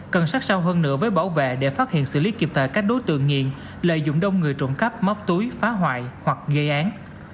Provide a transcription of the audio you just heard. cần sát sao hơn nữa với bảo vệ để phát hiện xử lý kịp thời các đối tượng nghiện lợi dụng đông người trộm cắp móc túi phá hoại hoặc gây án